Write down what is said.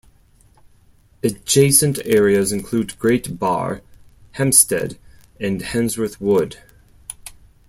Adjacent areas include Great Barr, Hamstead and Handsworth Wood.